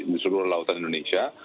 di seluruh lautan indonesia